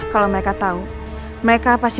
kalo mereka tau mereka pasti